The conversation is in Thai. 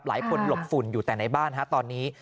หลายคนหลบฝุ่นอยู่แต่ในบ้านฮะตอนนี้